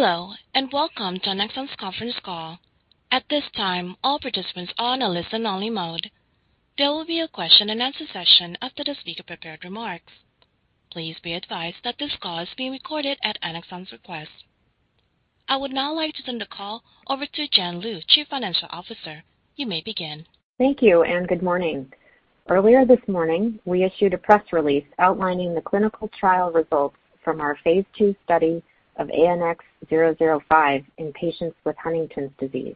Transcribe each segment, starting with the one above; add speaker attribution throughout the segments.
Speaker 1: Hello, and welcome to Annexon's Conference Call. At this time, all participants are on a listen only mode. There will be a question and answer session after the speaker prepared remarks. Please be advised that this call is being recorded at Annexon's request. I would now like to turn the call over to Jennifer Lew, Chief Financial Officer. You may begin.
Speaker 2: Thank you, and good morning. Earlier this morning, we issued a press release outlining the clinical trial results from our Phase II study of ANX005 in patients with Huntington's disease.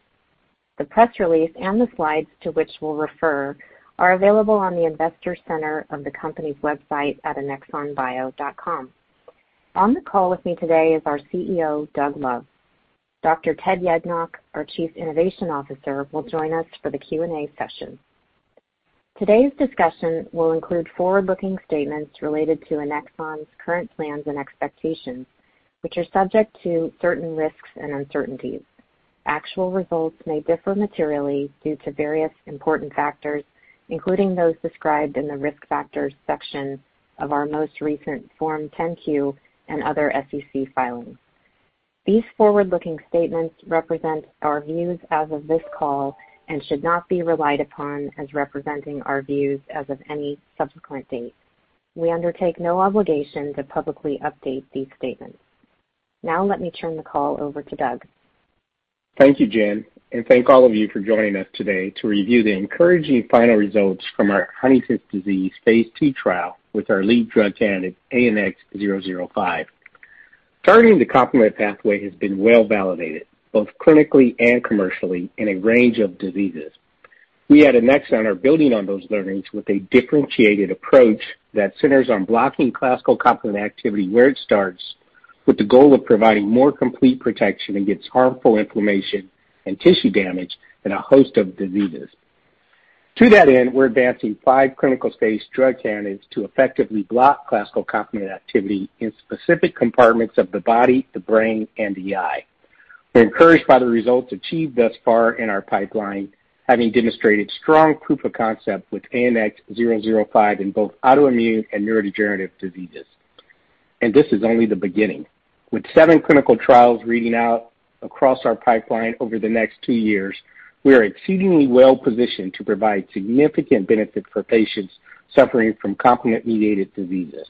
Speaker 2: The press release and the slides to which we'll refer are available on the investor center of the company's website at annexonbio.com. On the call with me today is our CEO, Doug Love. Dr. Ted Yednock, our Chief Innovation Officer, will join us for the Q&A session. Today's discussion will include forward-looking statements related to Annexon's current plans and expectations, which are subject to certain risks and uncertainties. Actual results may differ materially due to various important factors, including those described in the Risk Factors section of our most recent Form 10-Q and other SEC filings. These forward-looking statements represent our views as of this call and should not be relied upon as representing our views as of any subsequent date. We undertake no obligation to publicly update these statements. Now let me turn the call over to Doug.
Speaker 3: Thank you, Jen, and thank all of you for joining us today to review the encouraging final results from our Huntington's disease phase II trial with our lead drug candidate, ANX005. Targeting the complement pathway has been well validated, both clinically and commercially, in a range of diseases. We at Annexon are building on those learnings with a differentiated approach that centers on blocking classical complement activity where it starts, with the goal of providing more complete protection against harmful inflammation and tissue damage in a host of diseases. To that end, we're advancing five clinical-stage drug candidates to effectively block classical complement activity in specific compartments of the body, the brain, and the eye. We're encouraged by the results achieved thus far in our pipeline, having demonstrated strong proof of concept with ANX005 in both autoimmune and neurodegenerative diseases. This is only the beginning. With seven clinical trials reading out across our pipeline over the next two years, we are exceedingly well positioned to provide significant benefit for patients suffering from complement-mediated diseases.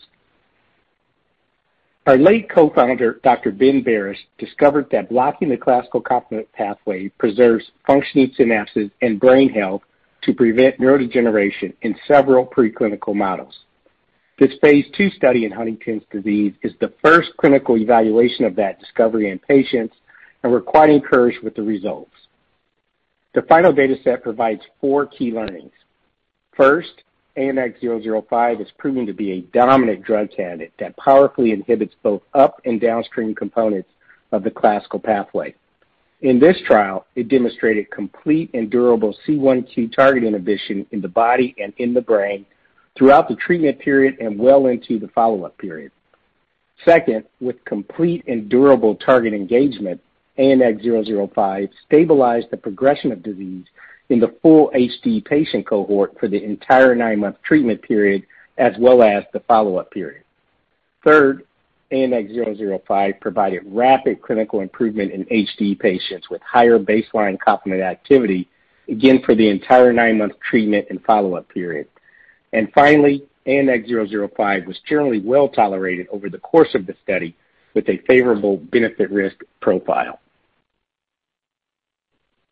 Speaker 3: Our late co-founder, Dr. Ben Barres, discovered that blocking the classical complement pathway preserves functioning synapses and brain health to prevent neurodegeneration in several preclinical models. This phase II study in Huntington's disease is the first clinical evaluation of that discovery in patients, and we're quite encouraged with the results. The final data set provides four key learnings. First, ANX005 is proven to be a dominant drug candidate that powerfully inhibits both up and downstream components of the classical pathway. In this trial, it demonstrated complete and durable C1Q target inhibition in the body and in the brain throughout the treatment period and well into the follow-up period. Second, with complete and durable target engagement, ANX005 stabilized the progression of disease in the full HD patient cohort for the entire nine-month treatment period, as well as the follow-up period. Third, ANX005 provided rapid clinical improvement in HD patients with higher baseline complement activity, again for the entire nine-month treatment and follow-up period. Finally, ANX005 was generally well-tolerated over the course of the study with a favorable benefit risk profile.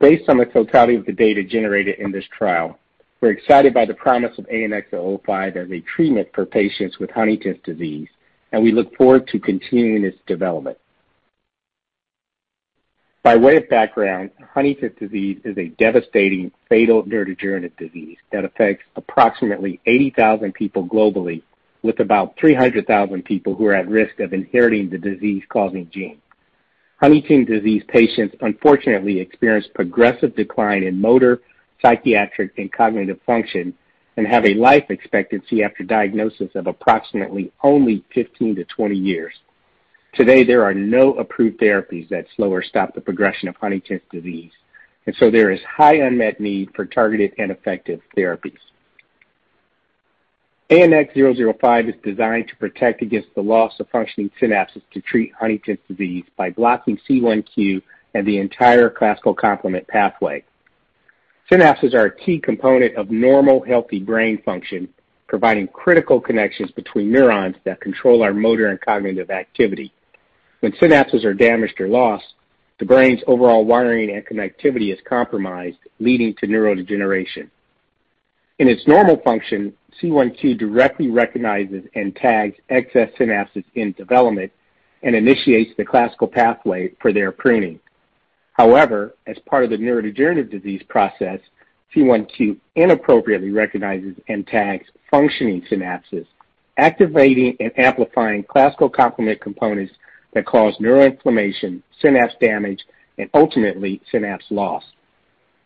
Speaker 3: Based on the totality of the data generated in this trial, we're excited by the promise of ANX005 as a treatment for patients with Huntington's disease, and we look forward to continuing its development. By way of background, Huntington's disease is a devastating fatal neurodegenerative disease that affects approximately 80,000 people globally, with about 300,000 people who are at risk of inheriting the disease-causing gene. Huntington's disease patients unfortunately experience progressive decline in motor, psychiatric, and cognitive function and have a life expectancy after diagnosis of approximately only 15-20 years. Today, there are no approved therapies that slow or stop the progression of Huntington's disease, and so there is high unmet need for targeted and effective therapies. ANX005 is designed to protect against the loss of functioning synapses to treat Huntington's disease by blocking C1Q and the entire classical complement pathway. Synapses are a key component of normal, healthy brain function, providing critical connections between neurons that control our motor and cognitive activity. When synapses are damaged or lost, the brain's overall wiring and connectivity is compromised, leading to neurodegeneration. In its normal function, C1Q directly recognizes and tags excess synapses in development and initiates the classical pathway for their pruning. However, as part of the neurodegenerative disease process, C1Q inappropriately recognizes and tags functioning synapses, activating and amplifying classical complement components that cause neuroinflammation, synapse damage, and ultimately synapse loss.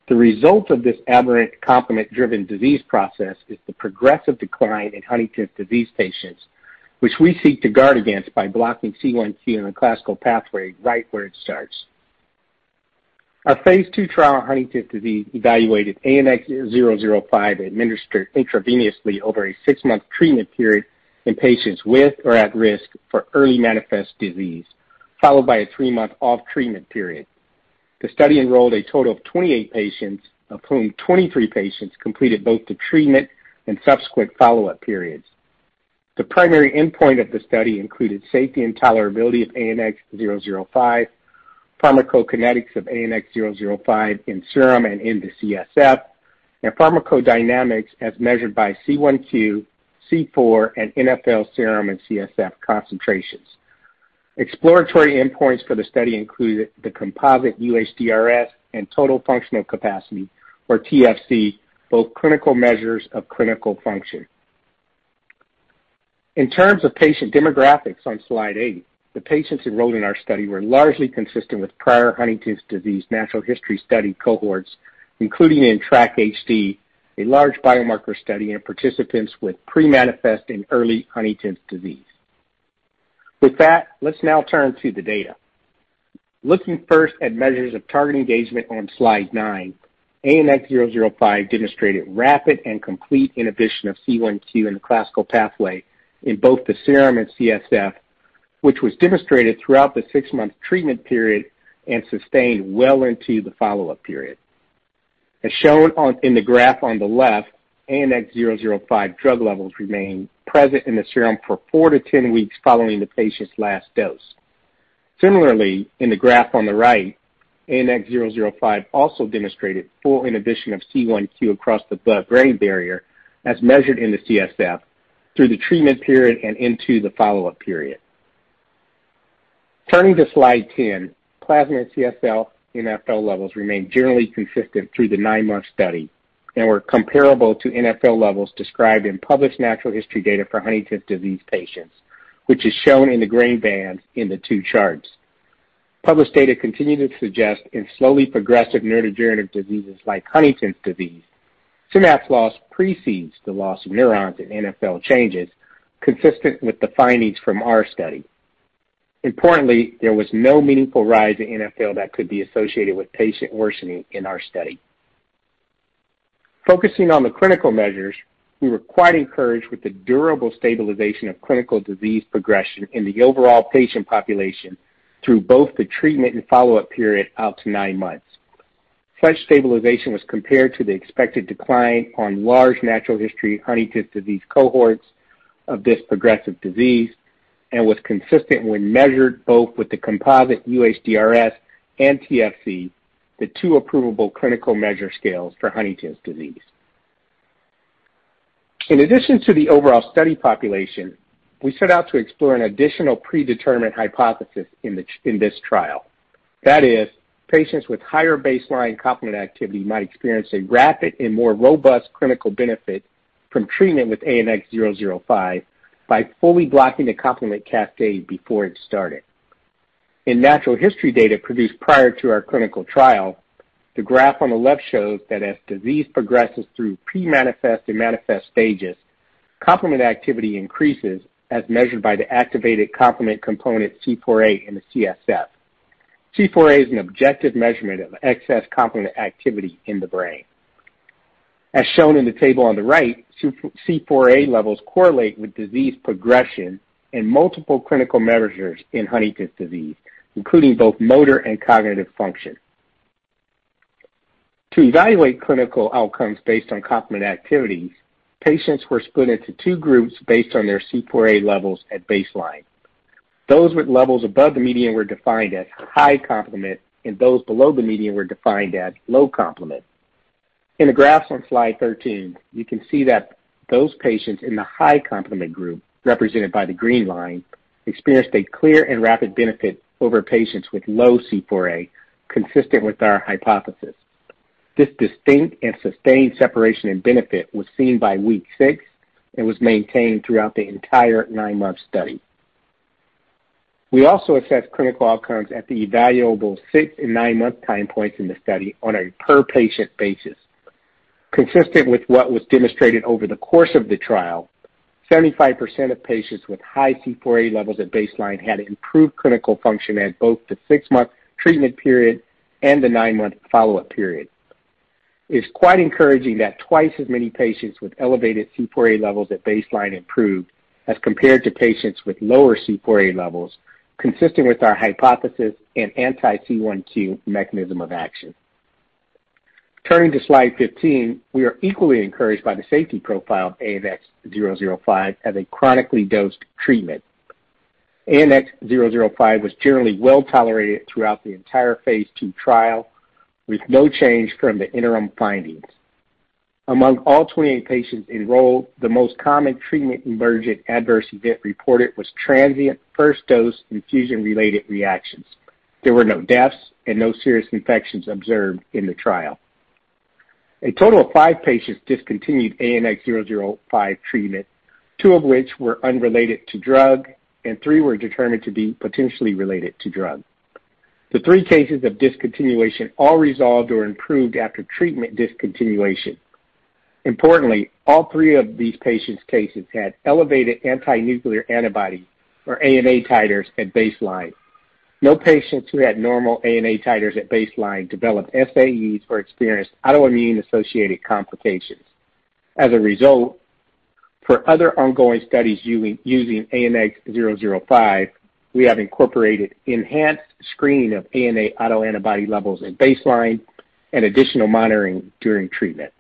Speaker 3: The result of this aberrant complement-driven disease process is the progressive decline in Huntington's disease patients, which we seek to guard against by blocking C1Q in the classical pathway right where it starts. Our phase II trial on Huntington's disease evaluated ANX005 administered intravenously over a six-month treatment period in patients with or at risk for early manifest disease, followed by a three-month off treatment period. The study enrolled a total of 28 patients, of whom 23 patients completed both the treatment and subsequent follow-up periods. The primary endpoint of the study included safety and tolerability of ANX005, pharmacokinetics of ANX005 in serum and in the CSF, and pharmacodynamics as measured by C1Q, C4, and NfL serum and CSF concentrations. Exploratory endpoints for the study included the composite UHDRS and Total Functional Capacity, or TFC, both clinical measures of clinical function. In terms of patient demographics on slide 8, the patients enrolled in our study were largely consistent with prior Huntington's disease natural history study cohorts, including in TRACK-HD, a large biomarker study in participants with pre-manifest and early Huntington's disease. With that, let's now turn to the data. Looking first at measures of target engagement on slide nine, ANX zero zero five demonstrated rapid and complete inhibition of C1Q in the classical pathway in both the serum and CSF, which was demonstrated throughout the six-month treatment period and sustained well into the follow-up period. As shown in the graph on the left, ANX zero zero five drug levels remain present in the serum for four to 10 weeks following the patient's last dose. Similarly, in the graph on the right, ANX zero zero five also demonstrated full inhibition of C1Q across the blood-brain barrier, as measured in the CSF through the treatment period and into the follow-up period. Turning to slide 10, plasma and CSF NfL levels remained generally consistent through the nine-month study and were comparable to NfL levels described in published natural history data for Huntington's disease patients, which is shown in the gray band in the two charts. Published data continue to suggest in slowly progressive neurodegenerative diseases like Huntington's disease, synapse loss precedes the loss of neurons and NfL changes consistent with the findings from our study. Importantly, there was no meaningful rise in NfL that could be associated with patient worsening in our study. Focusing on the clinical measures, we were quite encouraged with the durable stabilization of clinical disease progression in the overall patient population through both the treatment and follow-up period out to nine months. Such stabilization was compared to the expected decline on large natural history Huntington's disease cohorts of this progressive disease and was consistent when measured both with the composite UHDRS and TFC, the two approvable clinical measure scales for Huntington's disease. In addition to the overall study population, we set out to explore an additional predetermined hypothesis in this trial. That is, patients with higher baseline complement activity might experience a rapid and more robust clinical benefit from treatment with ANX005 by fully blocking the complement cascade before it started. In natural history data produced prior to our clinical trial, the graph on the left shows that as disease progresses through pre-manifest and manifest stages, complement activity increases as measured by the activated complement component C4a in the CSF. C4a is an objective measurement of excess complement activity in the brain. As shown in the table on the right, C4a levels correlate with disease progression in multiple clinical measures in Huntington's disease, including both motor and cognitive function. To evaluate clinical outcomes based on complement activities, patients were split into two groups based on their C4a levels at baseline. Those with levels above the median were defined as high complement, and those below the median were defined as low complement. In the graphs on slide 13, you can see that those patients in the high complement group, represented by the green line, experienced a clear and rapid benefit over patients with low C4a, consistent with our hypothesis. This distinct and sustained separation and benefit was seen by week six and was maintained throughout the entire nine-month study. We also assessed clinical outcomes at the evaluable six- and nine-month time points in the study on a per-patient basis. Consistent with what was demonstrated over the course of the trial, 75% of patients with high C4a levels at baseline had improved clinical function at both the six-month treatment period and the nine-month follow-up period. It's quite encouraging that twice as many patients with elevated C4a levels at baseline improved as compared to patients with lower C4a levels, consistent with our hypothesis in anti-C1Q mechanism of action. Turning to slide 15, we are equally encouraged by the safety profile of ANX005 as a chronically dosed treatment. ANX005 was generally well-tolerated throughout the entire phase II trial, with no change from the interim findings. Among all 28 patients enrolled, the most common treatment-emergent adverse event reported was transient first-dose infusion-related reactions. There were no deaths and no serious infections observed in the trial. A total of five patients discontinued ANX005 treatment, two of which were unrelated to drug and three were determined to be potentially related to drug. The three cases of discontinuation all resolved or improved after treatment discontinuation. Importantly, all three of these patients' cases had elevated anti-nuclear antibody, or ANA titers at baseline. No patients who had normal ANA titers at baseline developed SAEs or experienced autoimmune associated complications. As a result, for other ongoing studies using ANX005, we have incorporated enhanced screening of ANA autoantibody levels at baseline and additional monitoring during treatment.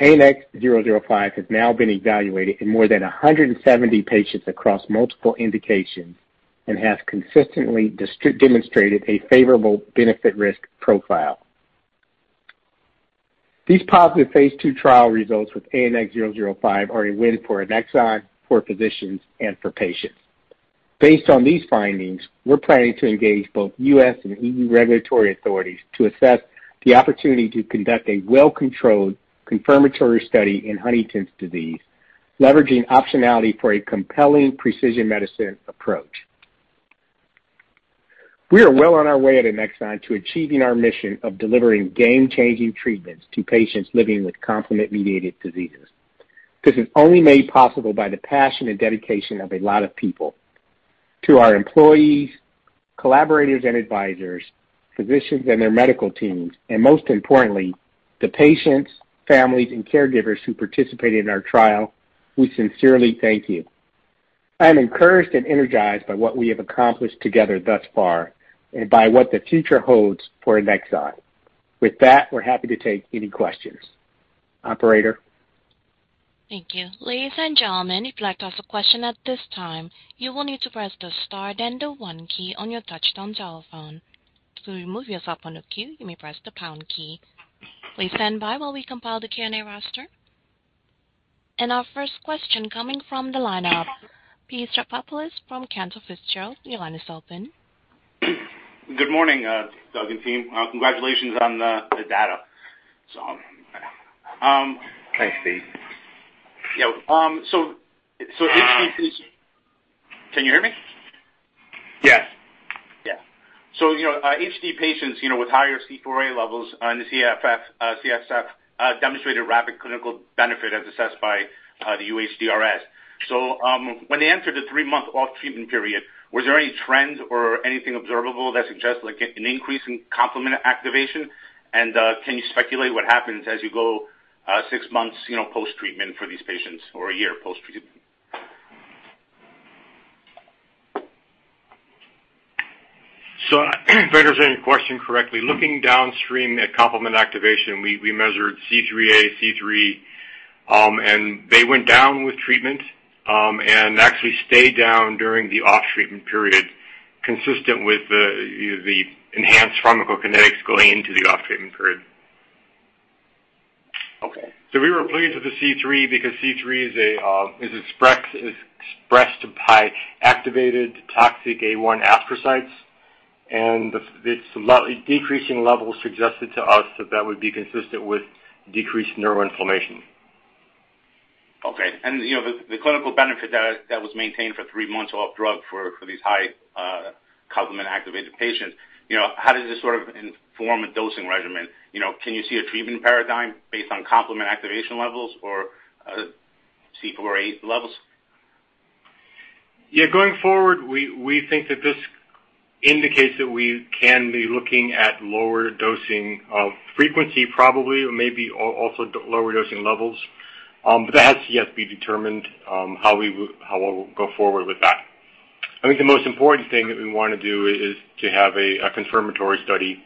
Speaker 3: ANX005 has now been evaluated in more than 170 patients across multiple indications and has consistently demonstrated a favorable benefit risk profile. These positive phase II trial results with ANX005 are a win for Annexon, for physicians and for patients. Based on these findings, we're planning to engage both U.S. and EU regulatory authorities to assess the opportunity to conduct a well-controlled confirmatory study in Huntington's disease, leveraging optionality for a compelling precision medicine approach. We are well on our way at Annexon to achieving our mission of delivering game changing treatments to patients living with complement mediated diseases. This is only made possible by the passion and dedication of a lot of people. To our employees, collaborators and advisors, physicians and their medical teams, and most importantly, the patients, families and caregivers who participated in our trial. We sincerely thank you. I am encouraged and energized by what we have accomplished together thus far and by what the future holds for Annexon. With that, we're happy to take any questions. Operator?
Speaker 1: Thank you. Ladies and gentlemen, if you'd like to ask a question at this time, you will need to press the star then the one key on your touch-tone telephone. To remove yourself from the queue, you may press the pound key. Please stand by while we compile the Q&A roster. Our first question coming from the line of Pete Stavropoulos from Cantor Fitzgerald. Your line is open.
Speaker 4: Good morning, Doug and team. Congratulations on the data.
Speaker 3: Thanks, Pete.
Speaker 4: Yeah. Can you hear me?
Speaker 3: Yes.
Speaker 4: Yeah. You know, HD patients, you know, with higher C4a levels on the CSF, demonstrated rapid clinical benefit as assessed by the UHDRS. When they entered the three-month off treatment period, was there any trend or anything observable that suggests like an increase in complement activation? Can you speculate what happens as you go six months post-treatment for these patients or a year post-treatment?
Speaker 3: If I understand your question correctly, looking downstream at complement activation, we measured C3a, C3, and they went down with treatment, and actually stayed down during the off treatment period, consistent with the enhanced pharmacokinetics going into the off treatment period.
Speaker 4: Okay.
Speaker 3: We were pleased with the C3 because C3 is expressed by activated toxic A1 astrocytes, and the decreasing levels suggested to us that that would be consistent with decreased neural inflammation.
Speaker 4: Okay. You know, the clinical benefit that was maintained for three months off drug for this high complement activated patients, you know, how does this sort of inform a dosing regimen? You know, can you see a treatment paradigm based on complement activation levels or C4a levels?
Speaker 3: Yeah. Going forward, we think that this indicates that we can be looking at lower dosing of frequency probably, or maybe also lower dosing levels. That has yet to be determined, how we'll go forward with that. I think the most important thing that we wanna do is to have a confirmatory study,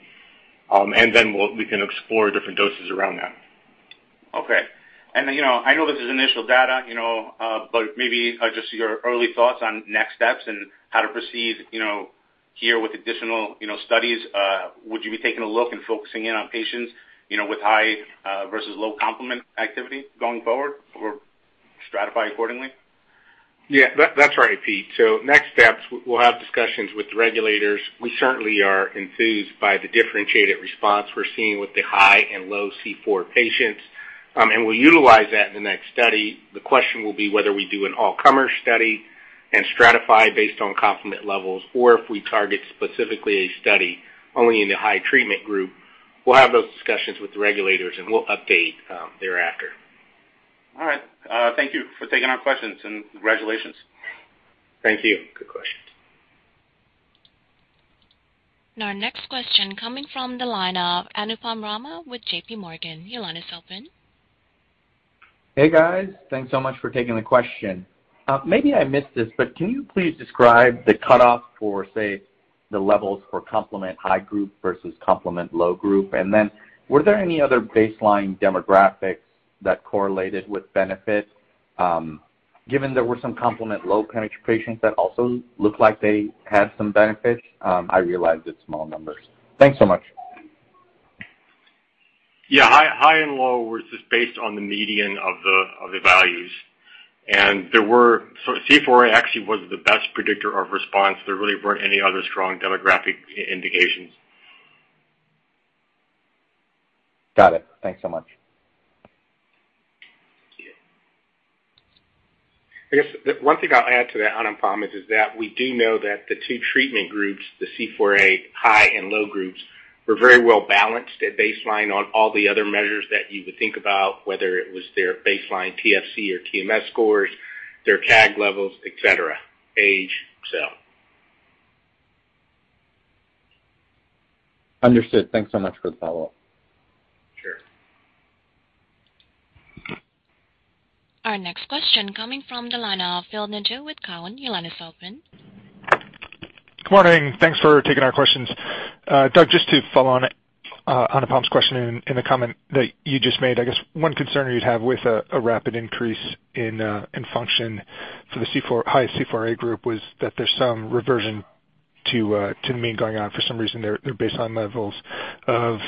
Speaker 3: and then we can explore different doses around that.
Speaker 4: Okay. I know this is initial data, you know, but maybe just your early thoughts on next steps and how to proceed, you know, here with additional, you know, studies. Would you be taking a look and focusing in on patients, you know, with high versus low complement activity going forward or stratify accordingly?
Speaker 3: Yeah. That, that's right, Pete. Next steps, we'll have discussions with the regulators. We certainly are enthused by the differentiated response we're seeing with the high and low C4 patients. We'll utilize that in the next study. The question will be whether we do an all comer study and stratify based on complement levels or if we target specifically a study only in the high treatment group. We'll have those discussions with the regulators and we'll update thereafter.
Speaker 4: All right. Thank you for taking our questions, and congratulations.
Speaker 3: Thank you. Good question.
Speaker 1: Our next question coming from the line of Anupam Rama with JPMorgan. Your line is open.
Speaker 5: Hey, guys. Thanks so much for taking the question. Maybe I missed this, but can you please describe the cutoff for, say, the levels for complement high group versus complement low group? Were there any other baseline demographics that correlated with benefit, given there were some complement low patients that also looked like they had some benefits? I realize it's small numbers. Thanks so much.
Speaker 3: Yeah. High and low was just based on the median of the values. C4a actually was the best predictor of response. There really weren't any other strong demographic indications.
Speaker 5: Got it. Thanks so much.
Speaker 6: I guess the one thing I'll add to that, Anupam, is that we do know that the two treatment groups, the C4a high and low groups, were very well balanced at baseline on all the other measures that you would think about, whether it was their baseline TFC or TMS scores, their CAG levels, et cetera, age, so.
Speaker 5: Understood. Thanks so much for the follow-up.
Speaker 6: Sure.
Speaker 1: Our next question coming from the line of Phil Nadeau with TD Cowen. Your line is open.
Speaker 7: Good morning. Thanks for taking our questions. Doug, just to follow on Anupam's question and the comment that you just made. I guess one concern you'd have with a rapid increase in function for the C4-high C4a group was that there's some reversion to the mean going on for some reason their baseline levels of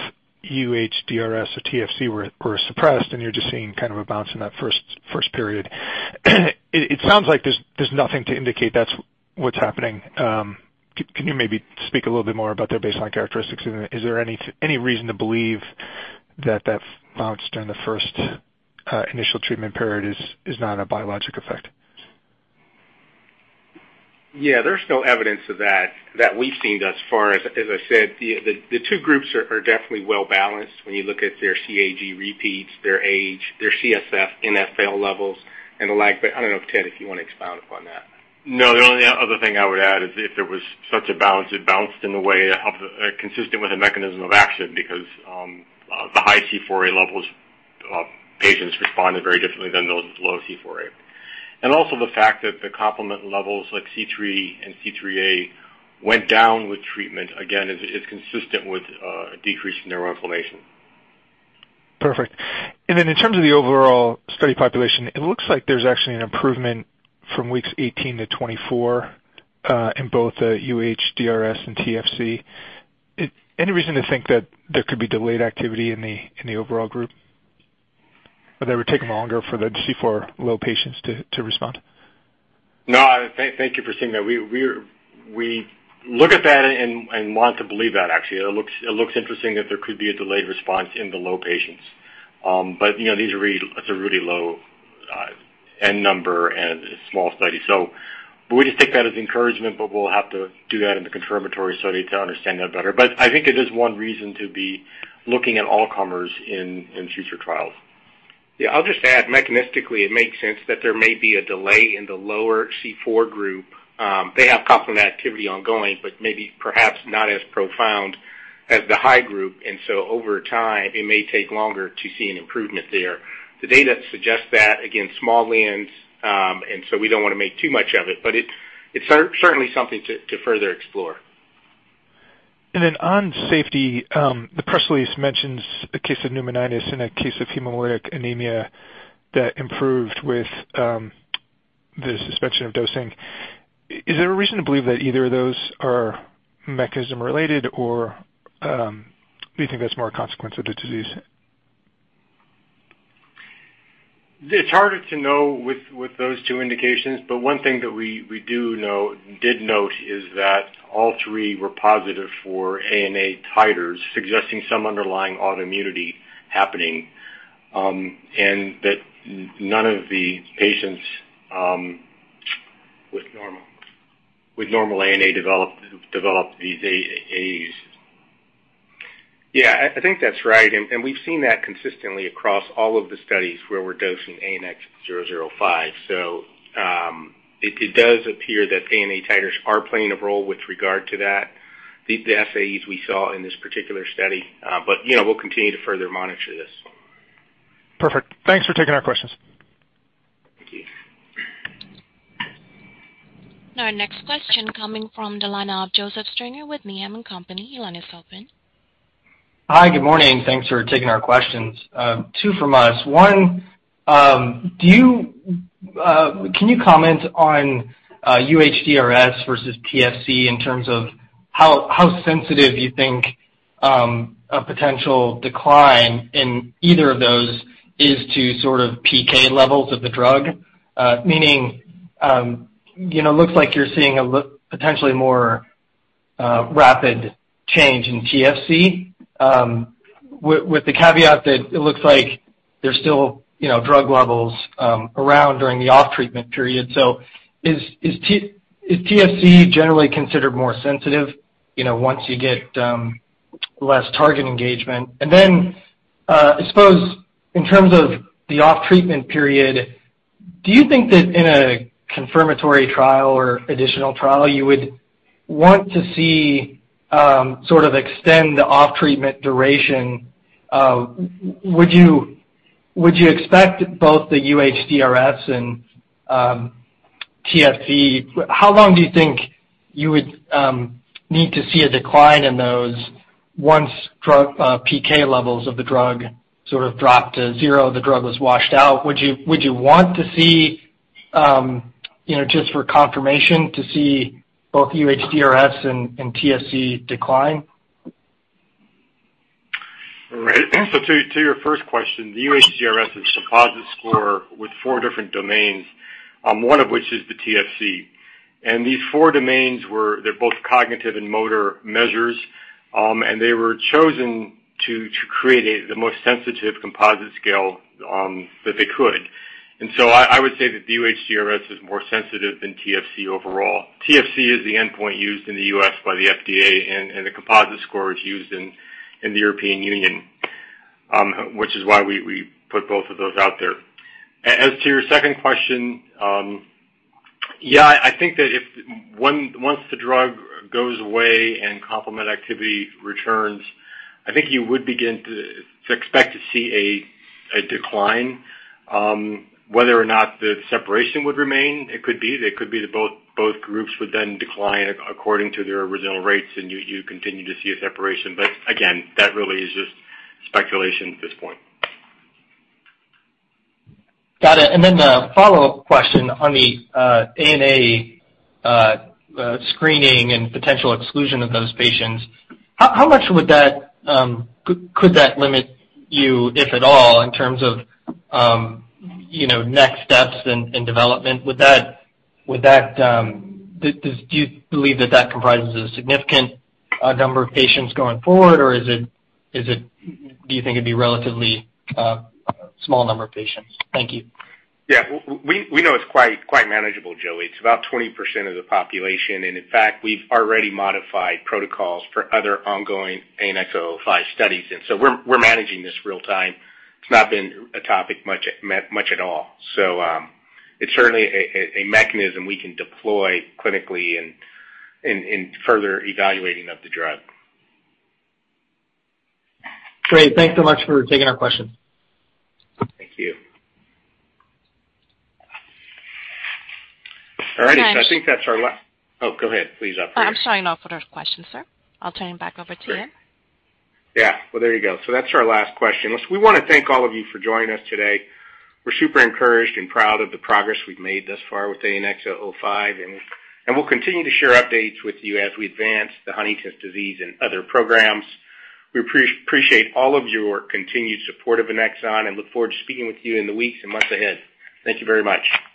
Speaker 7: UHDRS or TFC were suppressed, and you're just seeing kind of a bounce in that first period. It sounds like there's nothing to indicate that's what's happening. Can you maybe speak a little bit more about their baseline characteristics? Is there any reason to believe that that bounce during the first initial treatment period is not a biologic effect?
Speaker 3: Yeah. There's no evidence of that we've seen thus far. As I said, the two groups are definitely well-balanced when you look at their CAG repeats, their age, their CSF, NfL levels and the like. I don't know if, Ted, you wanna expound upon that.
Speaker 6: No. The only other thing I would add is if there was such a balance, it balanced in a way consistent with the mechanism of action because the high C4a levels patients responded very differently than those low C4a. Also the fact that the complement levels like C3 and C3a went down with treatment again is consistent with a decrease in neuroinflammation.
Speaker 7: Perfect. Then in terms of the overall study population, it looks like there's actually an improvement from weeks 18 to 24 in both the UHDRS and TFC. Any reason to think that there could be delayed activity in the overall group? Or that it would take them longer for the C4-low patients to respond?
Speaker 6: No, thank you for saying that. We look at that and want to believe that actually. It looks interesting that there could be a delayed response in the low patients. But you know, these are really low end numbers and a small study. We just take that as encouragement, but we'll have to do that in the confirmatory study to understand that better. I think it is one reason to be looking at all comers in future trials.
Speaker 3: Yeah. I'll just add, mechanistically, it makes sense that there may be a delay in the lower C4 group. They have complement activity ongoing, but maybe perhaps not as profound as the high group. Over time, it may take longer to see an improvement there. The data suggests that, again, small leans, and so we don't wanna make too much of it. It's certainly something to further explore.
Speaker 7: On safety, the press release mentions a case of pneumonitis and a case of hemolytic anemia that improved with the suspension of dosing. Is there a reason to believe that either of those are mechanism related or do you think that's more a consequence of the disease?
Speaker 6: It's harder to know with those two indications, but one thing that we did note is that all three were positive for ANA titers, suggesting some underlying autoimmunity happening, and that none of the patients with normal ANA developed these AAs.
Speaker 3: Yeah. I think that's right. We've seen that consistently across all of the studies where we're dosing ANX005. It does appear that ANA titers are playing a role with regard to that, the assays we saw in this particular study. But, you know, we'll continue to further monitor this.
Speaker 7: Perfect. Thanks for taking our questions.
Speaker 6: Thank you.
Speaker 1: Our next question coming from the line of Joseph Stringer with Needham & Company. Your line is open.
Speaker 8: Hi. Good morning. Thanks for taking our questions. Two from us. One, can you comment on UHDRS versus TFC in terms of how sensitive you think a potential decline in either of those is to sort of PK levels of the drug? Meaning, you know, looks like you're seeing potentially more rapid change in TFC with the caveat that it looks like there's still, you know, drug levels around during the off-treatment period. Is TFC generally considered more sensitive, you know, once you get less target engagement? I suppose in terms of the off-treatment period, do you think that in a confirmatory trial or additional trial, you would want to see sort of extend the off-treatment duration? Would you expect both the UHDRS and TFC? How long do you think you would need to see a decline in those once the drug PK levels of the drug sort of drop to zero, the drug was washed out? Would you want to see, you know, just for confirmation to see both UHDRS and TFC decline?
Speaker 6: Right. To your first question, the UHDRS is a composite score with four different domains, one of which is the TFC. These four domains, they're both cognitive and motor measures. They were chosen to create the most sensitive composite scale that they could. I would say that the UHDRS is more sensitive than TFC overall. TFC is the endpoint used in the U.S. by the FDA, and the composite score is used in the European Union, which is why we put both of those out there. As to your second question, yeah, I think that once the drug goes away and complement activity returns, I think you would begin to expect to see a decline, whether or not the separation would remain. It could be. It could be that both groups would then decline according to their original rates, and you continue to see a separation. Again, that really is just speculation at this point.
Speaker 8: Got it. A follow-up question on the ANA screening and potential exclusion of those patients. How much could that limit you, if at all, in terms of, you know, next steps in development? Do you believe that comprises a significant number of patients going forward? Or is it. Do you think it'd be relatively small number of patients? Thank you.
Speaker 3: Yeah. We know it's quite manageable, Joey. It's about 20% of the population, and in fact, we've already modified protocols for other ongoing ANX005 studies. We're managing this real time. It's not been a topic much at all. It's certainly a mechanism we can deploy clinically in further evaluating of the drug.
Speaker 8: Great. Thanks so much for taking our question.
Speaker 3: Thank you. All right.
Speaker 1: Thanks.
Speaker 3: I think that's our. Oh, go ahead, please, operator.
Speaker 1: I'm showing no further questions, sir. I'll turn it back over to you.
Speaker 3: Great. Yeah. Well, there you go. That's our last question. We wanna thank all of you for joining us today. We're super encouraged and proud of the progress we've made thus far with ANX005, and we'll continue to share updates with you as we advance the Huntington's disease and other programs. We appreciate all of your continued support of Annexon and look forward to speaking with you in the weeks and months ahead. Thank you very much.